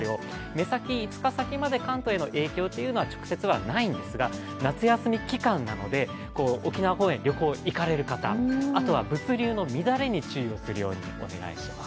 目先５日先まで関東への影響は直接はないんですが夏休み期間なので、沖縄方面に旅行に行かれる方、あとは物流の乱れに注意をするようにお願いします。